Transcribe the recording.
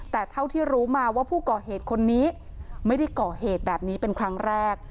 แต่เท่าที่รู้มาว่าผู้ก่อเหตุคนนี้ไม่ได้ก่อเหตุแบบนี้เป็นครั้งแรก